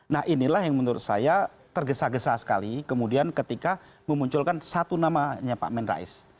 nah inilah yang menurut saya tergesa gesa sekali kemudian ketika memunculkan satu namanya pak amin rais